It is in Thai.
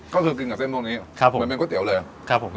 ก็คือกินกับเส้นพวกนี้ครับผมเหมือนเป็นก๋วยเตี๋ยวเลยครับผม